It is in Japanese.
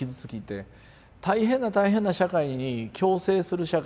大変な大変な社会に共生する社会。